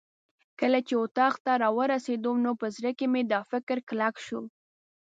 کله چې اتاق ته راورسېدم نو په زړه کې مې دا فکر کلک شو.